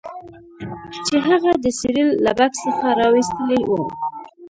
چې هغه د سیریل له بکس څخه راویستلی و